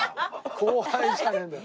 後輩じゃねえんだよ。